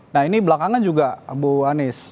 nah ini belakangan juga bowo anies